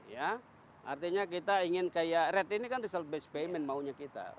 ya artinya kita ingin kayak red ini kan result based payment maunya kita